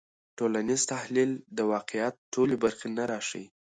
ټولنیز تحلیل د واقعیت ټولې برخې نه راښيي.